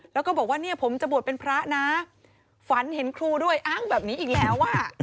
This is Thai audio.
แล้วก็บอกว่าเนี่ยผมจะบวชเป็นพระนะฝันเห็นครูด้วยอ้างแบบนี้อีกแล้วอ่ะ